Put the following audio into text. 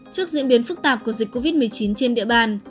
trước diễn biến phức tạp của dịch covid một mươi chín trên địa bàn